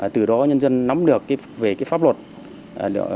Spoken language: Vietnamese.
từ đó nhân dân nắm được về pháp luật của nhà nước